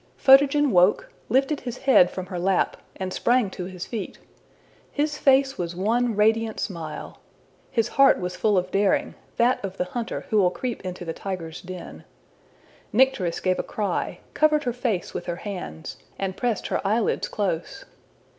Photogen woke, lifted his head from her lap, and sprang to his feet. His face was one radiant smile. His heart was full of daring that of the hunter who will creep into the tiger's den. Nycteris gave a cry, covered her face with her hands, and pressed her eyelids close.